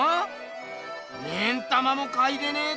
目ん玉もかいてねえど！